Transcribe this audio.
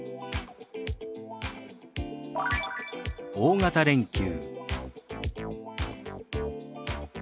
「大型連休」。